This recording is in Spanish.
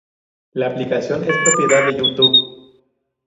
La aplicación es propiedad de YouTube.